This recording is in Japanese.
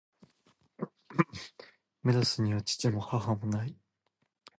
メロスには父も、母も無い。